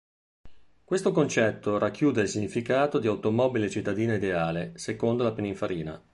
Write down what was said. Questo concetto racchiude il significato di "automobile cittadina ideale" secondo la Pininfarina.